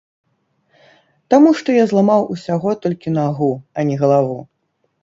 Таму што я зламаў усяго толькі нагу, а не галаву!